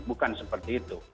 bukan seperti itu